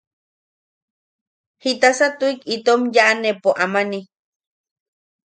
¿Jitasa tuʼik itom yaʼaneʼepo amani?